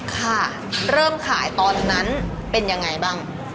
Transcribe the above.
ค่ะเริ่มขายตอนนั้นเป็นยังไงบ้าง